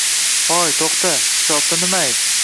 Hoy, to`xta, kitobda nima ayb